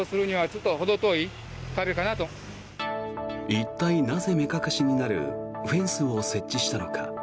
一体なぜ目隠しになるフェンスを設置したのか。